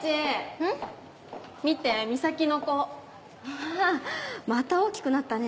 うわまた大きくなったね